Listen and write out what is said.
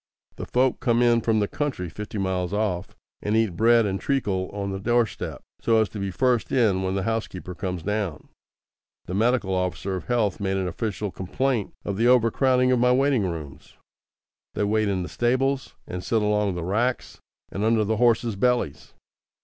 The folk come in from the county fifty miles off, and eat bread and treacle on the doorstep, so as to be first in when the housekeeper comes down. The medical officer of health made an official complaint of the over crowding of my waiting rooms. They wait in the stables, and sit along the racks and under the horses' bellies.